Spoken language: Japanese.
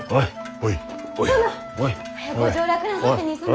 早くご上洛なさって兄様に。